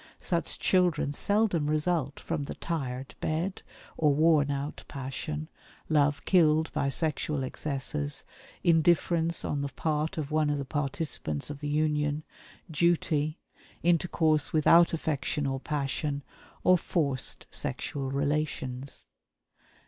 Such children seldom result from the "tired bed" or worn out passion, love killed by sexual excesses, indifference on the part of one of the participants of the union, "duty" intercourse without affection or passion, or forced sexual relations.